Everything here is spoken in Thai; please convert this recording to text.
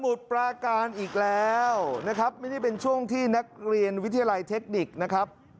ปราการอีกแล้วนะครับไม่ได้เป็นช่วงที่นักเรียนวิทยาลัยเทคนิคนะครับ